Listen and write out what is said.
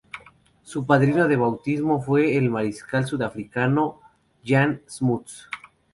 Su padrino de bautismo fue el mariscal sudafricano Jan Smuts.